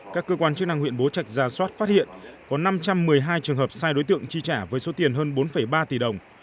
các cơ quan chức năng huyện bố trạch ra soát phát hiện có năm trăm một mươi hai trường hợp sai đối tượng chi trả với số tiền hơn bốn ba tỷ đồng